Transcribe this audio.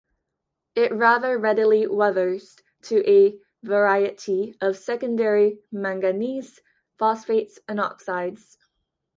It rather readily weathers to a variety of secondary manganese phosphates and oxides.